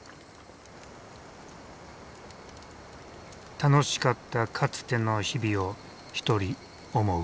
楽しかったかつての日々を一人思う。